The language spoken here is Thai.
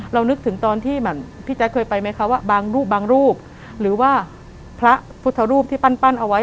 นึกถึงตอนที่เหมือนพี่แจ๊คเคยไปไหมคะว่าบางรูปบางรูปหรือว่าพระพุทธรูปที่ปั้นเอาไว้